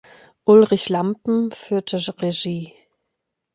Ulrich Lampen führte Regie.